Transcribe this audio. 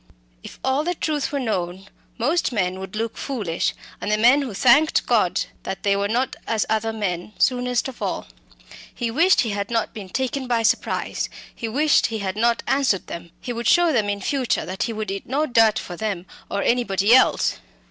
If all the truth were known, most men would look foolish; and the men who thanked God that they were not as other men, soonest of all. He wished he had not been taken by surprise; he wished he had not answered them; he would show them in the future that he would eat no dirt for them or anybody else.